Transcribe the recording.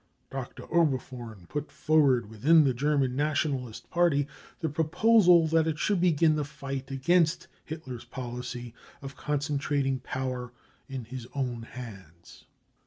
Dr. Oberfohren put; forward within the , German Nationalist Party the proposal that it should begin the fight against Hitler's policy of concentrating power in ' his own hands.